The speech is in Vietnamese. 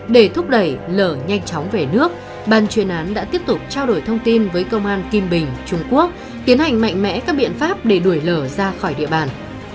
để thúc đẩy lở nhanh chóng về nước ban chuyên án đã tiếp tục trao đổi thông tin với công an kim bình trung quốc tiến hành mạnh mẽ các biện pháp để đuổi lở ra khỏi địa bàn